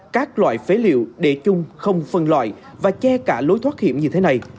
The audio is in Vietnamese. các loại phế liệu để chung không phân loại và che cả lối thoát hiểm như thế này